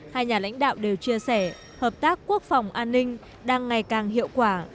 hai nhà lãnh đạo đều chia sẻ hợp tác quốc phòng an ninh đang ngày càng hiệu quả